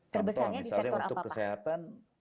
terbesarnya di sektor apa pak